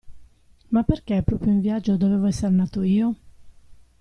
Ma perché proprio in viaggio dovevo esser nato io?